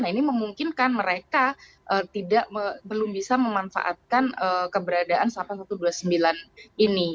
nah ini memungkinkan mereka belum bisa memanfaatkan keberadaan sapa satu ratus dua puluh sembilan ini